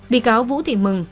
bị cáo vũ thị mừng